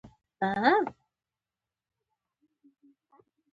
د پاچهي کلونه اووه دېرش ښيي.